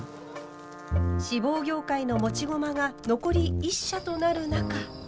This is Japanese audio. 志望業界の持ち駒が残り１社となる中。